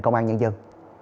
công an nhân dân